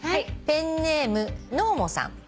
ペンネームのーもさん。